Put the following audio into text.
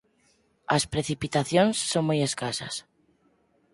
As precipitacións son moi escasas.